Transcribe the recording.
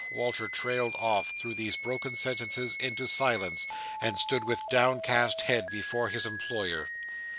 Walter trailed off, through these broken sentences, into silence: and stood with downcast head, before his employer.